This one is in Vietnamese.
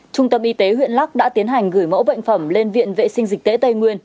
trung tâm y tế huyện lắc đã tiến hành gửi mẫu bệnh phẩm lên viện vệ sinh dịch tễ tây nguyên